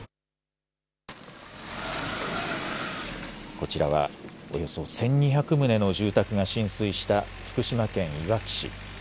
こちらは、およそ１２００棟の住宅が浸水した福島県いわき市。